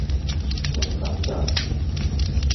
請等陣